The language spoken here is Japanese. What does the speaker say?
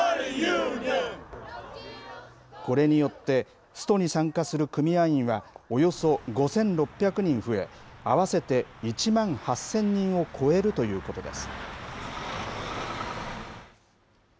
これによって、ストに参加する組合員は、およそ５６００人増え、合わせて１万８０００人を超えるということです。